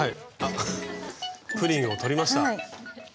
プリンを取りました。